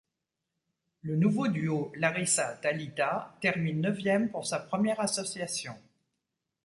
Le nouveau duo Larissa-Talita termine neuvième pour sa première association.